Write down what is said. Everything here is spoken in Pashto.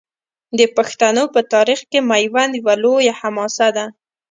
د پښتنو په تاریخ کې میوند یوه لویه حماسه ده.